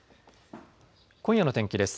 今夜の天気です。